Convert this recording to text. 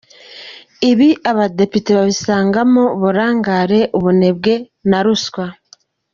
ibi Abadepite babisangamo uburangare, ubunebwe na ruswa.